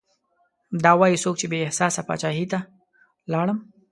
دا وايي څوک چې بې احسانه پاچاهي ته لاړم